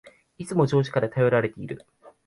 いつも上司から頼られている